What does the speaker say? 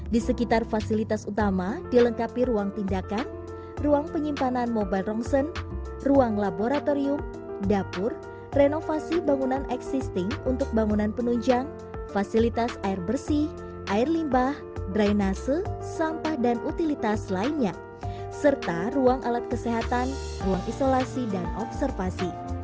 di sekitar fasilitas utama dilengkapi ruang tindakan ruang penyimpanan mobile rongsen ruang laboratorium dapur renovasi bangunan existing untuk bangunan penunjang fasilitas air bersih air limbah drainase sampah dan utilitas lainnya serta ruang alat kesehatan ruang isolasi dan observasi